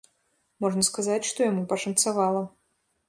Можна сказаць, што яму пашанцавала.